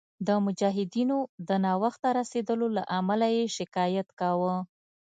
د مجاهدینو د ناوخته رسېدلو له امله یې شکایت کاوه.